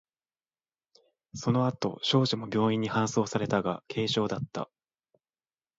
その後、少女も病院に搬送されたが、軽傷だった。